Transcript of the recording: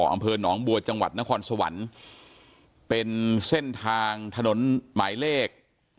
อำเภอหนองบัวจังหวัดนครสวรรค์เป็นเส้นทางถนนหมายเลข